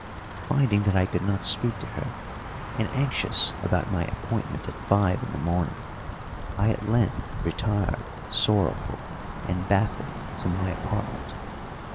Finding that I could not speak to her, and anxious about my appointment at five in the morning, I at length retired sorrowful and baffled to my apartment.